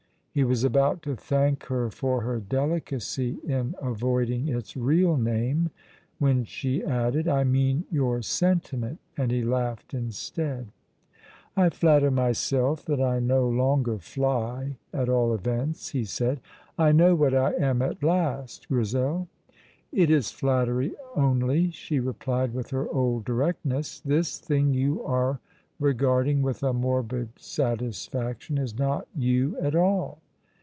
He was about to thank her for her delicacy in avoiding its real name, when she added, "I mean your sentiment," and he laughed instead. "I flatter myself that I no longer fly, at all events," he said. "I know what I am at last, Grizel" "It is flattery only," she replied with her old directness. "This thing you are regarding with a morbid satisfaction is not you at all."